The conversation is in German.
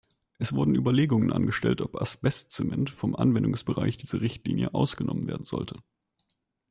Es wurden Überlegungen angestellt, ob Asbestzement vom Anwendungsbereich dieser Richtlinie ausgenommen werden sollte.